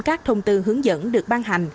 các thông tư hướng dẫn được ban hành